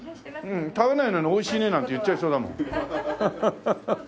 食べないのに「おいしいね」なんて言っちゃいそうだもん。